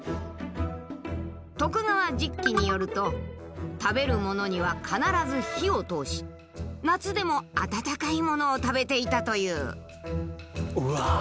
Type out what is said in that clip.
「徳川実紀」によると食べるものには必ず火を通し夏でも温かいものを食べていたという。